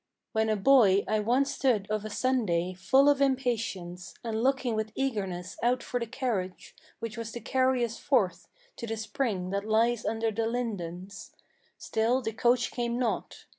"When a boy I once stood of a Sunday Full of impatience, and looking with eagerness out for the carriage Which was to carry us forth to the spring that lies under the lindens. Still the coach came not.